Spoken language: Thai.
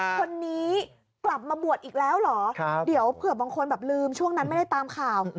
คนนี้กลับมาบวชอีกแล้วเหรอเดี๋ยวเผื่อบางคนแบบลืมช่วงนั้นไม่ได้ตามข่าว